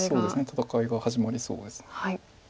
戦いが始まりそうです。